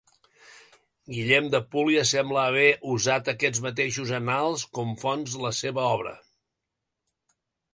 Guillem d'Apúlia sembla haver usat aquests mateixos annals com fonts la seva obra.